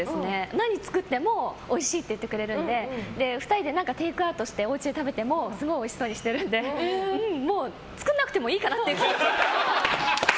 何を作ってもおいしいって言ってくれるので２人で何かテイクアウトしておうちで食べてもすごいおいしそうにしてるのでもう作んなくてもいいかなって。